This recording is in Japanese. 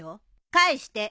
返して。